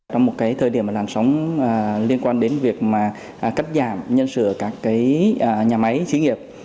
trong một thời điểm làm sống liên quan đến việc cắt giảm nhân sự ở các nhà máy xí nghiệp